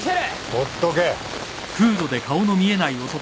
ほっとけ。